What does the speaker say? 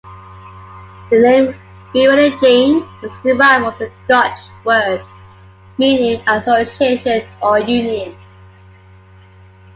The name "Vereeniging" is derived from the Dutch word meaning "association" or "union".